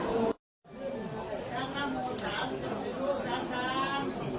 สวัสดีครับทุกคน